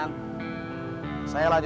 ong pengen lima puluh k